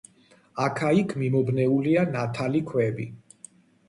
აქა-იქ მიმობნეულია ნათალი ქვები.